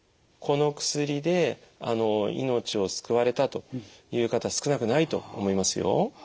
この薬で命を救われたという方少なくないと思いますよ。